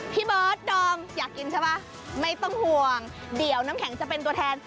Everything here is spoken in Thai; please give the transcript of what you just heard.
พี่เบิร์ดดอมอยากกินใช่ป่ะไม่ต้องห่วงเดี๋ยวน้ำแข็งจะเป็นตัวแทน